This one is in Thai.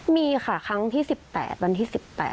มีค่ะครั้งวันที่๑๘